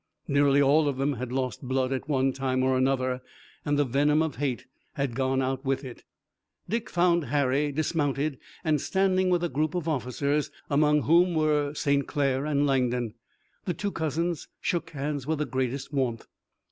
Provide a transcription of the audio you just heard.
Nearly all of them had lost blood at one time or another, and the venom of hate had gone out with it. Dick found Harry dismounted and standing with a group of officers, among whom were St. Clair and Langdon. The two cousins shook hands with the greatest warmth.